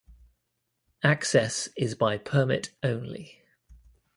Access is by permit only.